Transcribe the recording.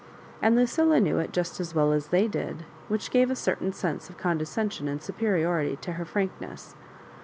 And Lucilla knew it just as well as they did, which gave a certain sense of conde scension and superiority to her frankness.